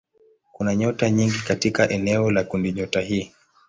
Kuna nyota nyingi katika eneo la kundinyota hii.